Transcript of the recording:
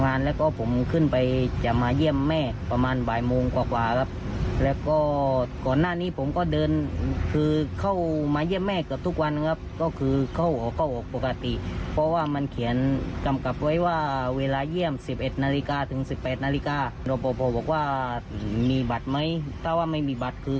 แล้วก็ผมก็อธิบายไปว่าวันก่อนผมมาก็คือเข้าได้ปกติ